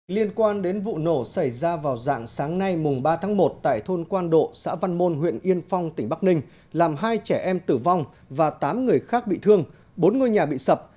liên quan đến vụ nổ xảy ra vào dạng sáng nay mùng ba tháng một tại thôn quan độ xã văn môn huyện yên phong tỉnh bắc ninh làm hai trẻ em tử vong và tám người khác bị thương bốn ngôi nhà bị sập